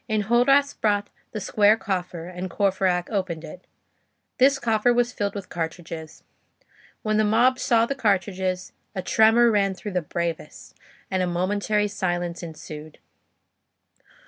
Enjolras brought the square coffer, and Courfeyrac opened it. This coffer was filled with cartridges. When the mob saw the cartridges, a tremor ran through the bravest, and a momentary silence ensued.